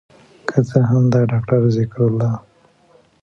که څه هم د داکتر ذکر الله